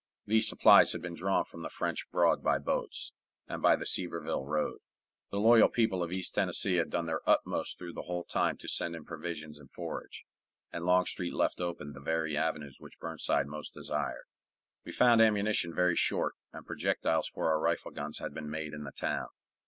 These supplies had been drawn from the French Broad by boats, and by the Sevierville road. The loyal people of East Tennessee had done their utmost through the whole time to send in provisions and forage, and Longstreet left open the very avenues which Burnside most desired. We found ammunition very short, and projectiles for our rifle guns had been made in the town.